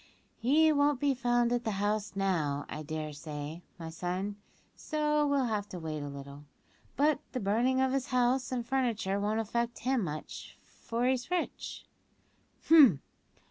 "He won't be found at the house, now, I dare say, my son, so we'll have to wait a little; but the burning of his house and furniture won't affect him much, for he's rich."